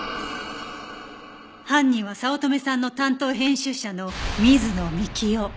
犯人は早乙女さんの担当編集者の水野幹夫。